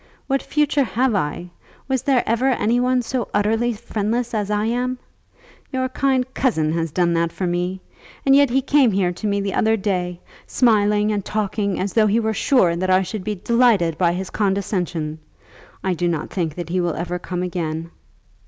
What future have I? Was there ever any one so utterly friendless as I am? Your kind cousin has done that for me; and yet he came here to me the other day, smiling and talking as though he were sure that I should be delighted by his condescension. I do not think that he will ever come again."